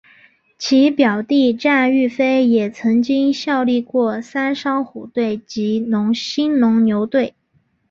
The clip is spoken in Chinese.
其表弟战玉飞也曾经效力过三商虎队及兴农牛队。